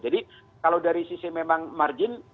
jadi kalau dari sisi memang margin